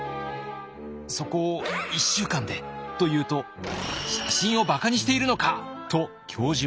「そこを１週間で」と言うと「写真を馬鹿にしているのか！」と教授はカンカン。